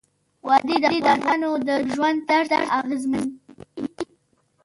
وادي د افغانانو د ژوند طرز اغېزمنوي.